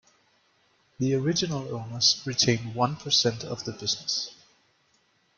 The original owners retain one per cent of the business.